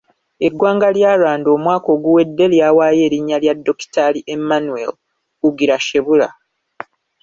Eggwanga lya Rwanda omwaka oguwedde lyawaayo erinnya lya Dokitaali Emmanuel Ugirashebula.